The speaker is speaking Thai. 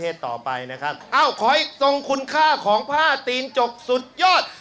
เอ้าขอให้ทรงขุนค่าของผ้าตีนจกสุดยอด